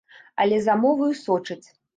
Але за моваю сочаць.